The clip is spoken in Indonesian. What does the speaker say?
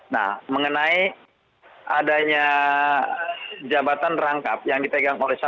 nah mengenai adanya jabatan rangkap yang ditegang oleh saham